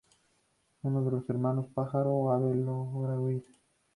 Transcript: Uno de los hermanos Pájaro o Ave logra huir.